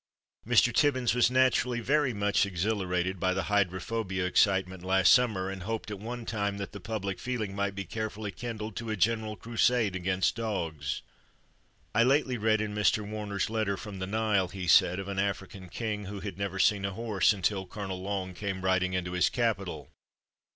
Mr. Tibbins was naturally very much exhilarated by the hydrophobia excitement last summer, and hoped at one time that the public feeling might be carefully kindled to a general crusade against dogs. "I lately read in Mr. Warner's letter from the Nile," he said, "of an African king who had never seen a horse until Colonel Long came riding into his capital.